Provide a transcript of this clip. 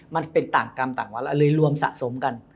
มันเป็นต่างกรรมต่างวาระเลยรวมสะสมกัน